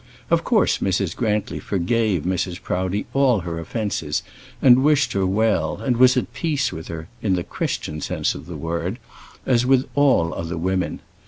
Of course Mrs. Grantly forgave Mrs. Proudie all her offences, and wished her well, and was at peace with her, in the Christian sense of the word, as with all other women.